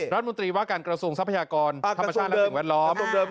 รัฐมนตรีว่าการกระทรวงทรัพยากรธรรมชาติและสิ่งแวดล้อม